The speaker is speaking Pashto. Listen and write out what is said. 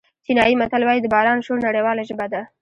چینایي متل وایي د باران شور نړیواله ژبه ده.